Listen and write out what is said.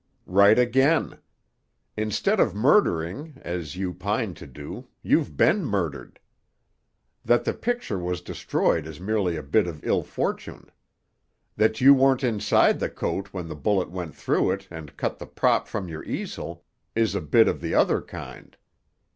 "Right again. Instead of murdering, as you pine to do, you've been murdered. That the picture was destroyed is merely a bit of ill fortune. That you weren't inside the coat when the bullet went through it and cut the prop from your easel, is a bit of the other kind.